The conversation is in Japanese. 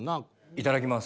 いただきます。